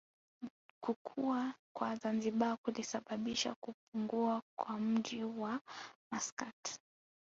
Kukua kwa Zanzibar kulisababisha kupungua kwa mji wa Maskat